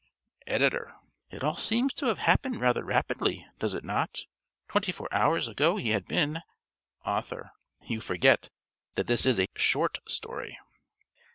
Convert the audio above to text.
(~Editor.~ It all seems to have happened rather rapidly, does it not? Twenty four hours ago he had been ~Author.~ You forget that this is a ~SHORT~ _story.